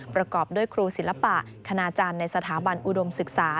ประกอบด้วยครูศิลปะคณาจารย์ในสถาบันอุดมศึกษา